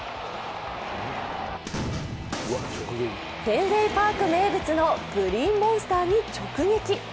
フェンウェイ・パーク名物のグリーンモンスターに直撃。